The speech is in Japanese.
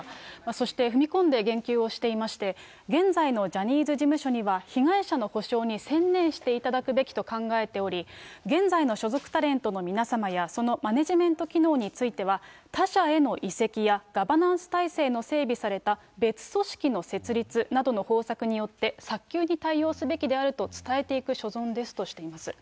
そして、踏み込んで言及をしていまして、現在のジャニーズ事務所には、被害者の補償に専念していただくべきと考えており、現在の所属タレントの皆様やそのマネジメント機能については、他社への移籍や、ガバナンス体制の整備された別組織の設立などの方策によって、早急に対応すべきであると伝えていく所存ですとしています。